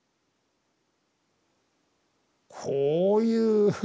こういう。